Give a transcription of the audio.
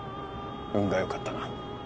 運がよかったな